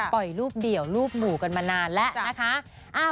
ปล่อยรูปเดี่ยวรูปหมู่กันมานานแล้วนะคะ